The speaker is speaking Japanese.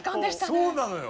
そうなのよ。